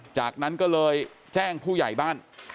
จากนั้นก็เลยแจ้งผู้ใหญ่บ้าน